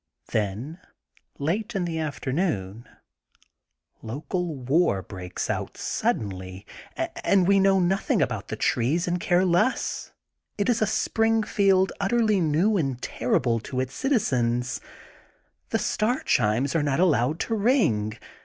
Then, late in the afternoon, local war breaks out suddenly and we know nothing about the trees, and care less. It is a Spring field utterly new and terrible to its citizens. The star chimes are not allowed to ring.